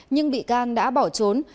nhưng bị can đã bỏ trốn